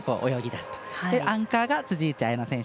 アンカーが辻内彩野選手。